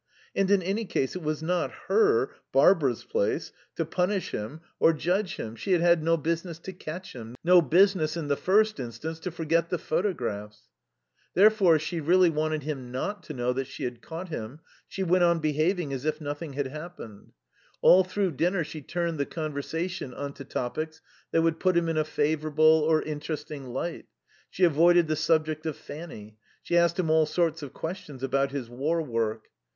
And, in any case, it was not her, Barbara's, place to punish him or judge him. She had had no business to catch him, no business, in the first instance, to forget the photographs. Therefore, as she really wanted him not to know that she had caught him, she went on behaving as if nothing had happened. All through dinner she turned the conversation on to topics that would put him in a favourable or interesting light. She avoided the subject of Fanny. She asked him all sorts of questions about his war work.